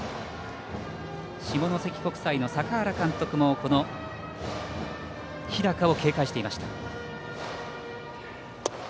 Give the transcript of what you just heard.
下関国際の坂原監督も日高を警戒していました。